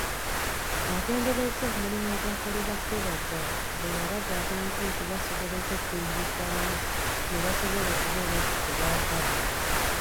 Atenderezza omulimu ogwakolebwa Sebaggala bwe yalaga abantu nti basobola okwekkiririzaamu ne basobola okubeera ekyo kye baagala.